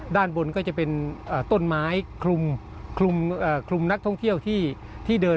ด้านบนก็จะเป็นต้นไม้คลุมคลุมนักท่องเที่ยวที่เดิน